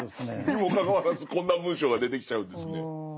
にもかかわらずこんな文章が出てきちゃうんですね。